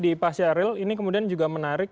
diipas ya ini kemudian juga menarik